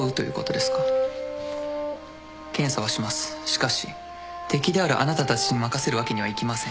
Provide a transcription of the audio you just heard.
しかし敵であるあなたたちに任せるわけにはいきません。